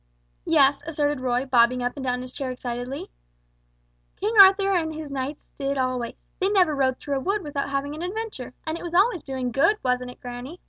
"Yes," asserted Roy, bobbing up and down in his chair excitedly; "King Arthur and his knights did always. They never rode through a wood without having an adventure, and it was always doing good, wasn't it, granny?"